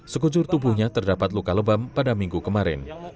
sekujur tubuhnya terdapat luka lebam pada minggu kemarin